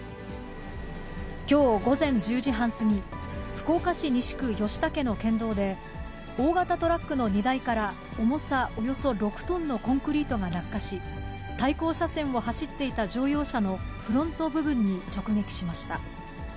きょう午前１０時半過ぎ、福岡市西区吉武の県道で、大型トラックの荷台から、重さおよそ６トンのコンクリートが落下し、対向車線を走っていた乗用車のフロント部分に直撃しました。